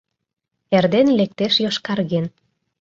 Эрден лектеш йошкарген;